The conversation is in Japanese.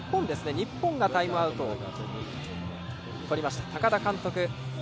日本がタイムアウトをとりました。